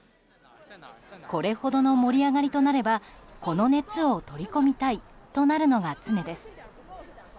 これほどの盛り上がりとなればこの熱を取り込みたいとなるのが常です。